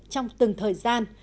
trong từng thời gian